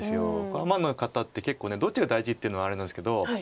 アマの方って結構どっちが大事っていうのはあるんですけど。